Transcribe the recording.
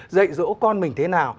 dạy dỗ con mình thế nào